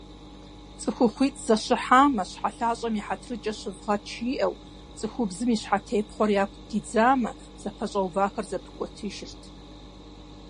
ЦӀыхухъуитӀ зэщыхьамэ «ЩхьэлъащӀэм и хьэтыркӀэ щывгъэт» жиӀэу, цӀыхубзым и щхьэтепхъуэр яку дидзамэ, зэпэщӀэувахэр зэпикӀуэтыжырт.